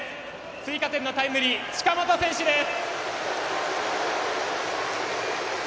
追加点のタイムリー近本選手です！